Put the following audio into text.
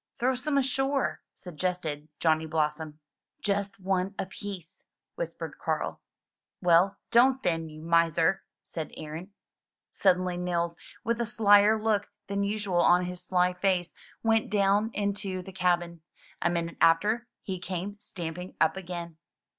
'Throw some ashore,'' suggested Johnny Blossom. "Just one apiece," whispered Carl. "Well, don't then, you miser!" said Aaron. Suddenly Nils, with a slyer look than usual on his sly face, went down into the cabin. A minute after he came stamping up again.